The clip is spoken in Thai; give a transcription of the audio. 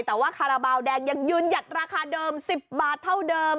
แต่ว่าคาราบาลแดงยังยืนหยัดราคาเดิม๑๐บาทเท่าเดิม